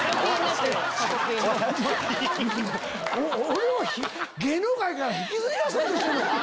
俺を芸能界から引きずり出そうとしてんのか？